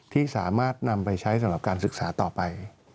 ที่สามารถนำไปใช้สำหรับการศึกษาต่อไป